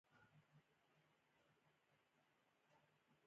کندز سیند د افغانانو د ژوند طرز اغېزمنوي.